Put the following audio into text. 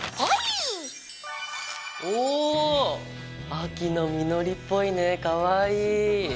秋の実りっぽいねかわいい！